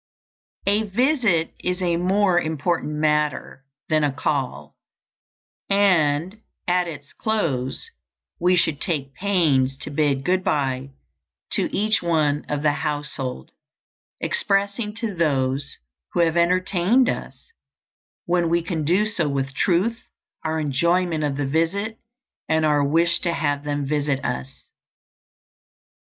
A visit is a more important matter than a call, and at its close, we should take pains to bid good by to each one of the household, expressing to those who have entertained us, when we can do so with truth, our enjoyment of the visit, and our wish to have them visit us.